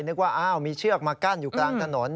นึกว่าอ้าวมีเชือกมากั้นอยู่กลางถนน